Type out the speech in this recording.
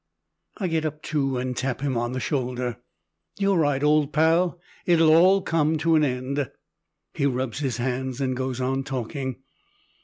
I get up too, and tap him on the shoulder. "You're right, old pal, it'll all come to an end." He rubs his hands and goes on talking.